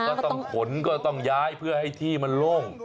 ก็ต้องขนก็ต้องย้ายเพื่อให้ที่มันโล่ง